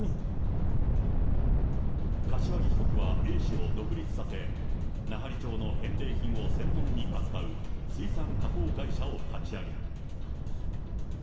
柏木被告はＡ氏を独立させ、奈半利町の返礼品を専門に扱う水産加工会社を立ち上げる。